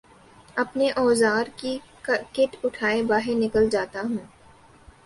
اپنے اوزار کی کٹ اٹھائے باہر نکل جاتا ہے